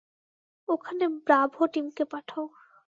ওখানে ব্রাভো টিমকে পাঠাও।